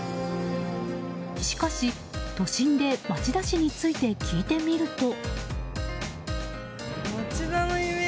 しかし、都心で町田市について聞いてみると。